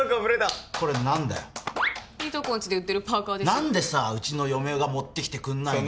何でさうちの嫁が持ってきてくんないの？